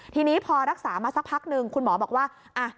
ทีนี้พอรักษามาสักพักหนึ่งคุณหมอบอกว่า